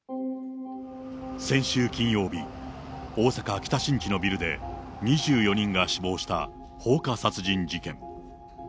先週金曜日、大阪・北新地のビルで２４人が死亡した放火殺人事件。